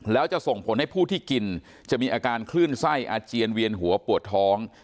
แล้วจะส่งผลให้ผู้ที่กินจะมีอาการคลื่นไส้อาเจียนเวียนหัวปวดท้อง